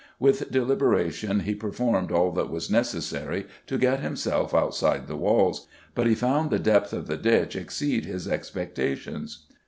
With deliberation he performed all that was necessary to get himself outside the walls, but he found the depth of the ditch exceed his expectations.